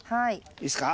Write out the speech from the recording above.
いいですか？